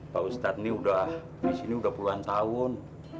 pak ustadz nih udah disini udah puluhan tahun